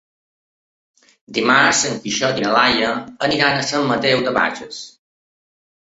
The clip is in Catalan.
Dimarts en Quixot i na Laia aniran a Sant Mateu de Bages.